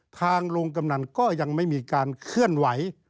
ทางลุงกำนันก็ยังไม่มีการเคลื่อนไหว